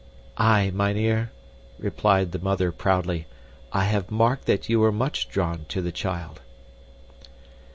"Aye, mynheer," replied the mother proudly. "I have marked that you were much drawn to the child."